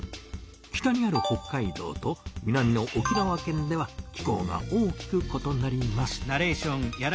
北にある北海道と南の沖縄県では気候が大きくことなります。